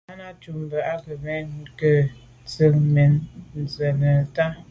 Náná cúp mbə̄ á gə̀ mə́ kɔ̌ nə̀ jɔ̌ŋ tsjə́n mɛ́n nə̀tá.